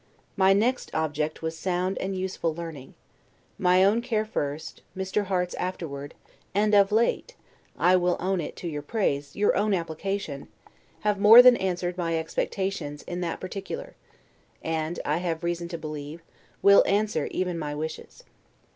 My next object was sound and useful learning. My own care first, Mr. Harte's afterward, and OF LATE (I will own it to your praise) your own application, have more than answered my expectations in that particular; and, I have reason to believe, will answer even my wishes.